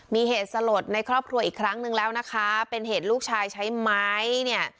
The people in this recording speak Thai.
มีเหตุสลดในครอบครัวอีกครั้งนึงแล้วนะคะเป็นเหตุลูกชายใช้ไม้เนี่ย